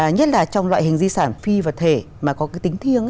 nhất là trong loại hình di sản phi vật thể mà có cái tính thiêng